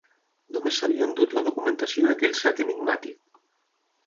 Només s'havia endut la documentació i aquell sac enigmàtic.